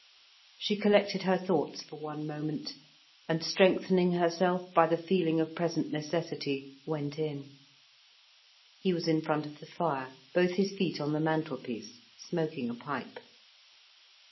She collected her thoughts for one moment, and, strengthening herself by the feeling of present necessity, went in. He was in front of the fire, both his feet on the mantelpiece, smoking a pipe.